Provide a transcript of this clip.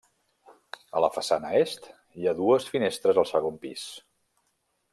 A la façana est, hi ha dues finestres al segon pis.